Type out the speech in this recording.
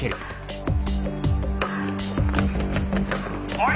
おい！